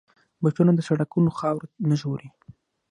بوټونه د سړکونو خاورې نه ژغوري.